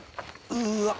うわっ！